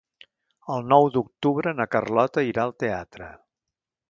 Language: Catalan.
El nou d'octubre na Carlota irà al teatre.